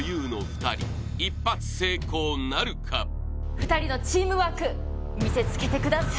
２人のチームワーク見せつけてください